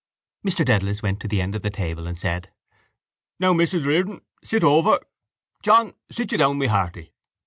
Mr Dedalus went to the end of the table and said: —Now, Mrs Riordan, sit over. John, sit you down, my hearty.